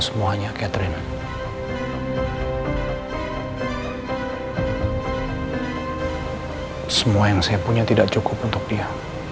semua yang saya punya tidak cukup untuk dia